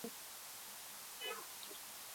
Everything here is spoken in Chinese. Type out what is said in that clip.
荣夷公是中国西周时期诸侯国荣国的国君。